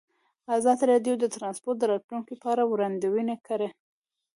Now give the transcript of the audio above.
ازادي راډیو د ترانسپورټ د راتلونکې په اړه وړاندوینې کړې.